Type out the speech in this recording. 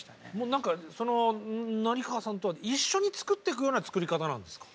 何かその成河さんとは一緒に作っていくような作り方なんですか？